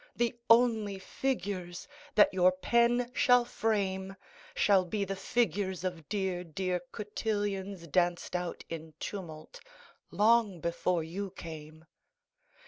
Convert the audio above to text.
The only figures that your pen shall frame Shall be the figures of dear, dear cotillons Danced out in tumult long before you came.